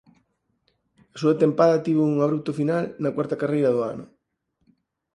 A súa tempada tivo un abrupto final na cuarta carreira do ano.